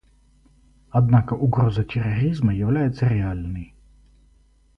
Однако угроза терроризма является реальной.